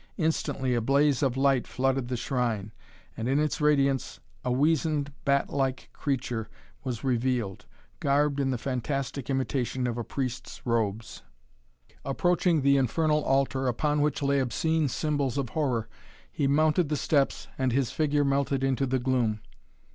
Instantly a blaze of light flooded the shrine, and in its radiance a weazened, bat like creature was revealed, garbed in the fantastic imitation of a priest's robes. Approaching the infernal altar, upon which lay obscene symbols of horror, he mounted the steps and his figure melted into the gloom.